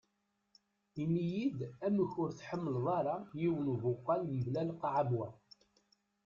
Ini-yi-d amek ur tḥemleḍ ara yiwen ubuqal mebla lqaɛ am wa.